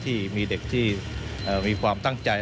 ที่มีเด็กที่มีความตั้งใจ